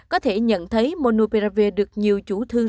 có thể nhận thấy monopiravir được nhiều chủ thương